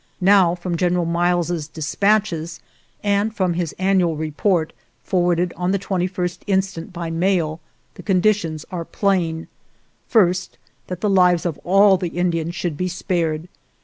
Now, from General Miles's dispatches and from his an nual report, forwarded on the 21st instant by mail, the conditions are plain: First, that the lives of all the Indians should be spared.